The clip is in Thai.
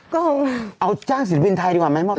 ก็เอาจ้างศิลปินไทยดีกว่าไหมมอบ